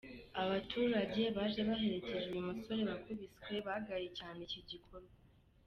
Abaturage baje baherekeje uyu musore wakubiswe bagaye cyane iki gikorwa.